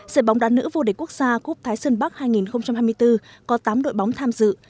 giải bóng đá nữ vô địch quốc gia cúp thái sơn bắc hai nghìn hai mươi bốn có tám đội bóng tham dự